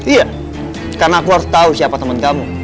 iya karena aku harus tau siapa temen kamu